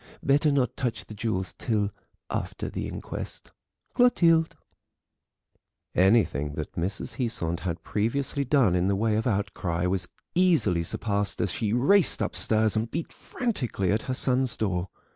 Better not touch the jewels till after the inquest. "CLOTILDE." Anything that Mrs. Heasant had previously done in the way of outcry was easily surpassed as she raced upstairs and beat frantically at her son's door.